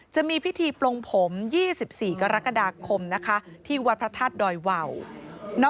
จะมีพิธีปลงผม๒๔กรกฎาคมนะคะที่วัดพระธาตุดอยวาว